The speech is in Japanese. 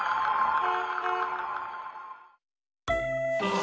あ。